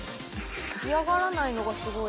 嫌がらないのがすごい。